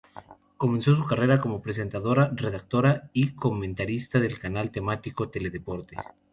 Comenzó su carrera como presentadora, redactora y comentarista del canal temático Teledeporte.